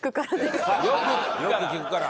「よく聞くから」！